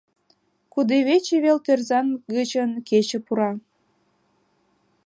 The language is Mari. Кудывече вел тӧрзан гычын кече пура.